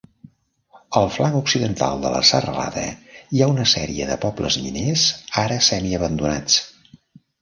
Al flanc occidental de la serralada hi ha una sèrie de pobles miners ara semiabandonats.